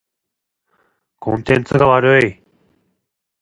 コンテンツが悪い。